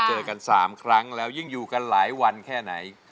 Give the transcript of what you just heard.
เจอกัน๓ครั้งแล้วยิ่งอยู่กันหลายวันแค่ไหน